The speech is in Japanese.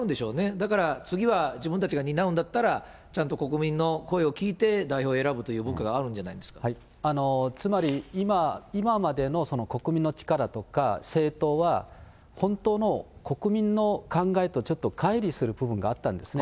だから、次は自分たちが担うんだったら、ちゃんと国民の声を聞いて代表選ぶという文化があるんじゃないでつまり、今までの国民の力とか政党は、本当の国民の考えとちょっとかい離する部分があったんですね。